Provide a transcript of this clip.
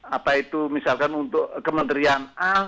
apa itu misalkan untuk kementerian a